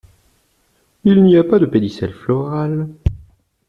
Il n'y a pas de pédicelle floral.